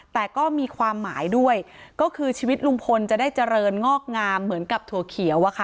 แต่ก็มีความหมายด้วยก็คือชีวิตลุงพลจะได้เจริญงอกงามเหมือนกับถั่วเขียวอะค่ะ